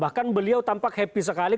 bahkan beliau tampak happy sekali